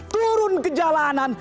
turun ke jalanan